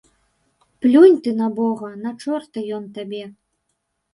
Плюнь ты на бога, на чорта ён табе.